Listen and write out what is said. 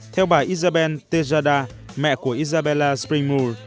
theo bà isabella tejada mẹ của isabella springmore